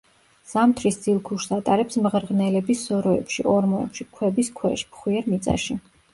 ზამთრის ძილქუშს ატარებს მღრღნელების სოროებში, ორმოებში, ქვების ქვეშ, ფხვიერ მიწაში.